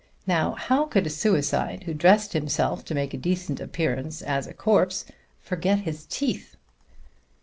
Now how could a suicide who dressed himself to make a decent appearance as a corpse forget his teeth?"